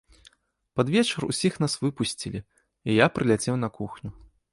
Пад вечар усіх нас выпусцілі, і я прыляцеў на кухню.